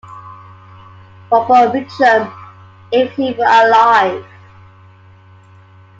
Robert Mitchum, if he were alive.